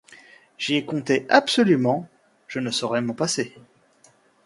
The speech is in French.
J'y ai compté absolument : je ne saurais m'en passer.